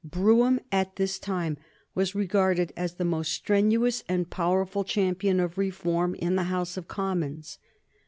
Brougham, at this time, was regarded as the most strenuous and powerful champion of reform in the House of Commons.